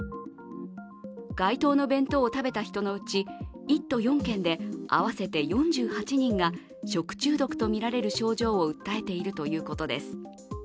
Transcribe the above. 該当の弁当を食べた人のうち１都４県で合わせて４８人が食中毒とみられる症状を訴えているということです。